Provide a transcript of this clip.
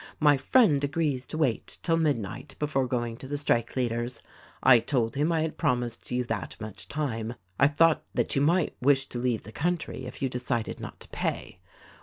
My friend agrees to wait till midnight before going to the strike leaders. I told him I had promised you that much time — I thought that you might wish to leave the country if you decided not to pay.